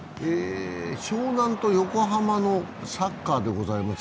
湘南と横浜のサッカーでございます。